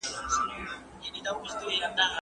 د کندهار پوهنتون هوا تازه او پاکه ده.